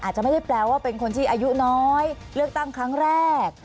อาจจะไม่ได้แปลว่าเป็นคนที่อายุน้อยเลือกตั้งครั้งแรก